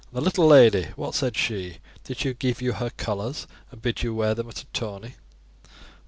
And the little lady, what said she? Did she give you her colours and bid you wear them at a tourney?"